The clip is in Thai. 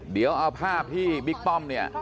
เดี๋ยวเอาภาพที่บิ๊กป้อมเนี่ย